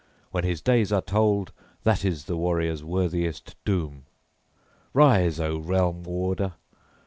When his days are told, that is the warrior's worthiest doom. Rise, O realm warder!